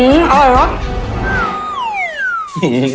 อืมอืมอร่อยเหรอ